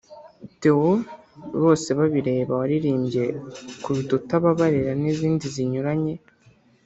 Theo Bosebabireba waririmbye ’Kubita utababarira’ n’izindi zinyuranye